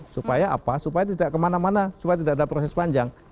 supaya apa supaya tidak kemana mana supaya tidak ada proses panjang